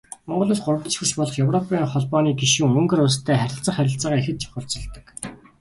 Монгол Улс гуравдагч хөрш болох Европын Холбооны гишүүн Унгар улстай харилцах харилцаагаа ихэд чухалчилдаг.